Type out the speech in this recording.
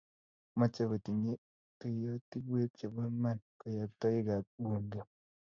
mochei kotinyei tuyiotibwek chebo iman kayoktoikab Bunge.